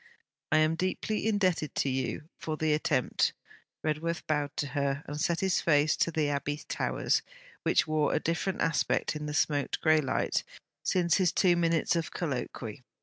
'I am deeply indebted to you for the attempt.' Redworth bowed to her and set his face to the Abbey towers, which wore a different aspect in the smoked grey light since his two minutes of colloquy.